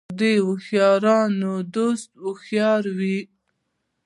د هوښیارانو دوست هوښیار وي .